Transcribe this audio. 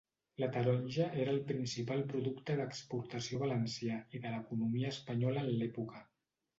La taronja era el principal producte d'exportació valencià i de l'economia espanyola en l'època.